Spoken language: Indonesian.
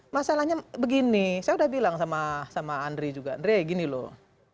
masalahnya begini saya udah bilang sama andri juga andre gini loh